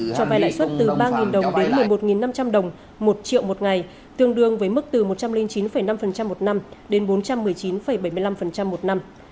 cho vai lãi suất từ ba đồng đến một mươi một năm trăm linh đồng một triệu một ngày tương đương với mức từ một trăm linh chín năm một năm đến bốn trăm một mươi chín bảy mươi năm một năm